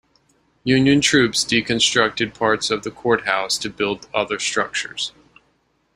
Union troops deconstructed parts of the courthouse to build other structures.